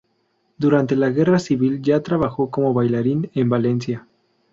Durante la Guerra Civil ya trabajó como bailarín en Valencia.